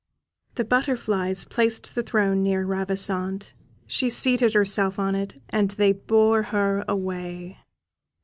The butterflies placed the throne near Ravissante; she seated herself on it, and they bore her away.